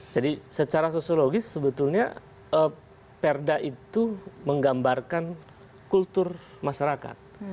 jadi secara sosiologis sebetulnya perda itu menggambarkan kultur masyarakat